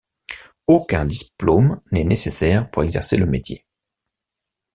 Aucun diplôme n'est nécessaire pour exercer le métier.